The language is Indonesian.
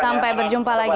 sampai berjumpa lagi